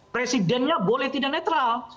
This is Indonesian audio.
presidennya boleh tidak netral